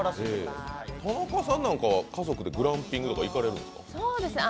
田中さんは、家族でグランピングなんか行かれるんですか？